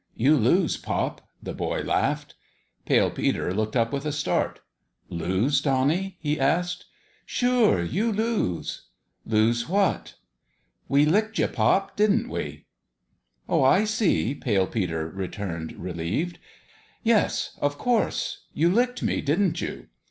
" You lose, pop," the boy laughed. Pale Peter looked up with a start. " Lose, Donnie? " he asked. " Sure, you lose !"" Lose what ?"" We licked you, pop, didn't we ?"" Oh, I see !" Pale Peter returned, relieved. " Yes, of course ; you licked me, didn't you